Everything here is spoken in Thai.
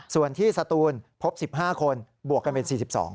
ส่วนที่สตูนพบ๑๕คนบวกกันเป็น๔๒